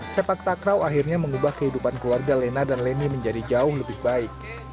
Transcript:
sepak takraw akhirnya mengubah kehidupan keluarga lena dan leni menjadi jauh lebih baik